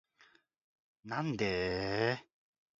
なんでーーー